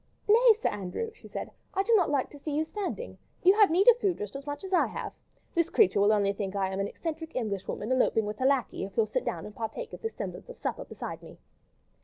"Nay, Sir Andrew," she said, "I do not like to see you standing. You have need of food just as much as I have. This creature will only think that I am an eccentric Englishwoman eloping with her lacquey, if you'll sit down and partake of this semblance of supper beside me."